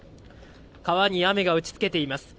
川に雨が打ちつけています。